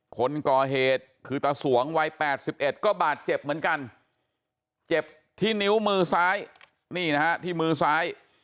คนก่อเหตุคือตาสวงวัย๘๑ก็บาดเจ็บเหมือนกันเจ็บที่นิ้วมือซ้ายนี่นะฮะที่มือซ้าย